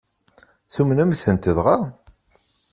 Tumnemt-tent dɣa?